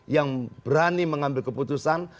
yang berani mengambil keputusan